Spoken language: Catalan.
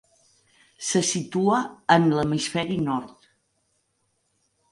Se situa en l'Hemisferi Nord.